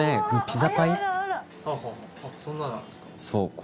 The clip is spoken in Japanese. そう。